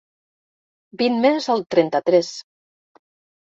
Vint més al trenta-tres.